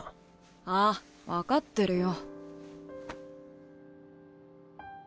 ああ分かってるよ。